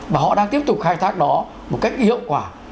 và họ đang tiếp tục khai thác đó một cách hiệu quả